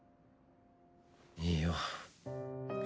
いいよ